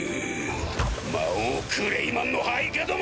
魔王クレイマンの配下ども！